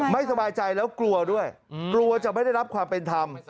ไม่สบายใจแล้วกลัวด้วยกลัวจะไม่ได้รับความเป็นธรรม